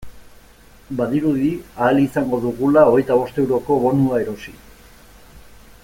Badirudi ahal izango dugula hogeita bost euroko bonua erosi.